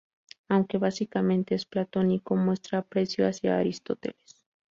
Aunque básicamente es platónico, muestra aprecio hacia Aristóteles.